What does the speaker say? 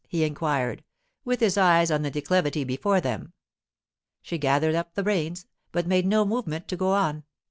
he inquired, with his eyes on the declivity before them. She gathered up the reins, but made no movement to go on.